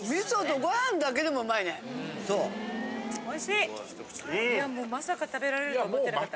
いやもうまさか食べられるとは思ってなかった。